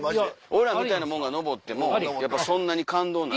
俺らみたいなもんが登ってもそんなに感動ないし。